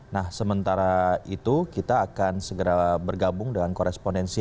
nah sementara itu kita akan segera bergabung dengan korespondensi